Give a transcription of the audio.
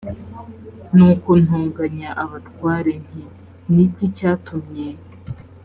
nuko ntonganya abatware nti ni iki cyatumye